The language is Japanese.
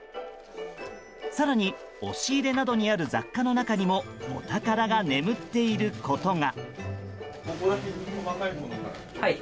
更に、押し入れなどにある雑貨の中にもお宝が眠っていることが。